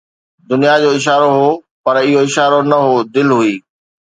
دنيا جو اشارو هو، پر اهو اشارو نه هو، دل هئي